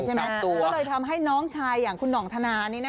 ก็เลยทำให้น้องชายอย่างคุณห่องธนา